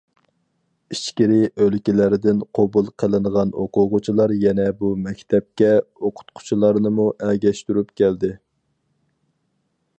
ئىچكىرى ئۆلكىلەردىن قوبۇل قىلىنغان ئوقۇغۇچىلار يەنە بۇ مەكتەپكە ئوقۇتقۇچىلارنىمۇ ئەگەشتۈرۈپ كەلدى.